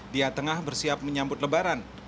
dia tengah bersiap menyambut lebaran